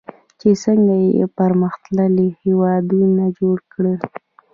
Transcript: چې څنګه یو پرمختللی هیواد جوړ کړي.